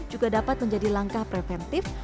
juga dapat menjadi langkah preventif